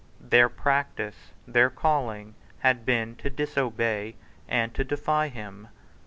Their practice, their calling, had been to disobey and to defy him.